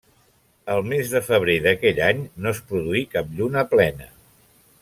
El mes de febrer d'aquell any no es produí cap lluna plena.